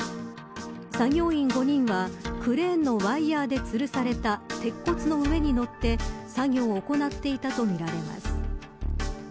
作業員５人はクレーンのワイヤでつるされた鉄骨の上に乗って作業を行っていたとみられます。